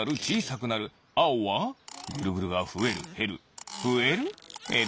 あおはぐるぐるがふえるへるふえるへる。